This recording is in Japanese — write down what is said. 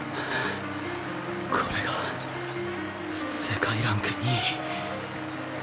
これが世界ランク２位。